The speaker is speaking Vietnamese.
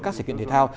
các sự kiện thể thao